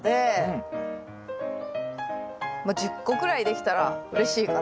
まあ１０個ぐらいできたらうれしいかな。